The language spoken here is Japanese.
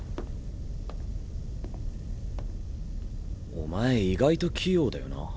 お前意外と器用だよな。